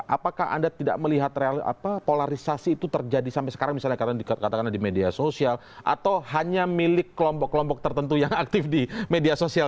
apakah anda tidak melihat polarisasi itu terjadi sampai sekarang misalnya dikatakan di media sosial atau hanya milik kelompok kelompok tertentu yang aktif di media sosial